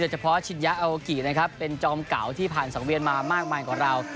เฉพาะชินยาเอากิเป็นจอมเก่าที่ผ่านสังเวียนมามากกว่าเรา